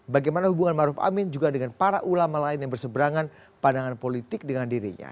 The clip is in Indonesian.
bagaimana hubungan maruf amin juga dengan para ulama lain yang berseberangan pandangan politik dengan dirinya